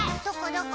どこ？